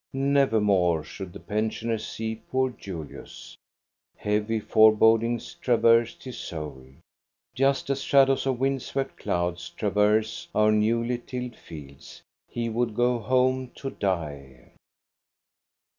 Never more should the pensioners see poor Julius. Heavy forebodings traversed his soul, just as shadows of wind swept clouds traverse our newly tilled fields. He would go home to die.